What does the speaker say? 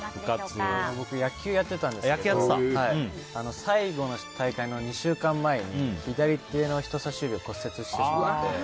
僕、野球をやってたんですけど最後の大会の２週間前に左手の人さし指を骨折してしまって。